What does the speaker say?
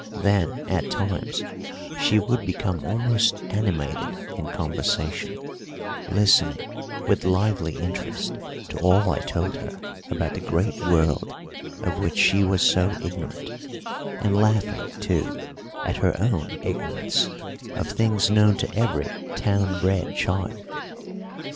Then, at times, she would become almost animated in conversation, listening with lively interest to all I told her about the great world of which she was so ignorant, and laughing, too, at her own ignorance of things known to every town bred child.